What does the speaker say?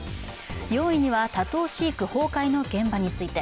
４位には、多頭飼育崩壊の現場について。